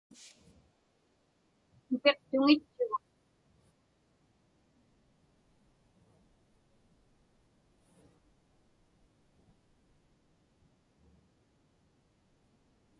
Tupiqtuŋitchugut.